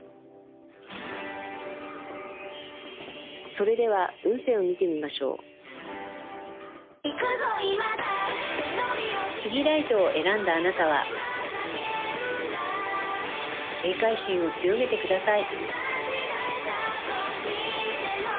それでは運勢を見てみましょうスギライトを選んだあなたは警戒心を強めてください